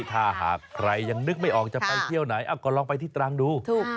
ถ้าหากใครยังนึกไม่ออกจะไปเที่ยวไหนก็ลองไปที่ตรังดูถูก